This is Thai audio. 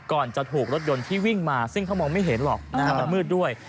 ก่อนจะถูกรถยนต์ที่วิ่งมาซึ่งเขามองไม่เห็นหรอกมันมืดด้วย